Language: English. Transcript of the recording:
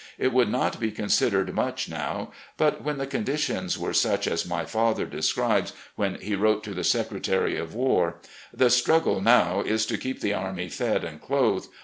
It would not be considered much now, but when the conditions were such as my father describes when he wrote to the Seeretary of War, " The struggle now is to keep the army fed and clothed.